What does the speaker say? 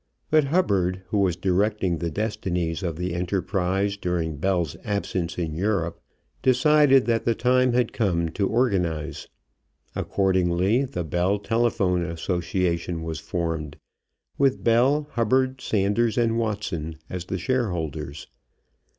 But Hubbard, who was directing the destinies of the enterprise during Bell's absence in Europe, decided that the time had come to organize. Accordingly the Bell Telephone Association was formed, with Bell, Hubbard, Sanders, and Watson as the shareholders.